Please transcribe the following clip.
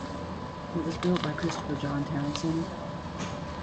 It was built by Christopher John Townsend.